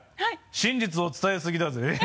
真実を伝えすぎだぜ